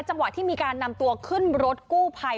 จังหวะที่มีการนำตัวขึ้นรถกู้ภัย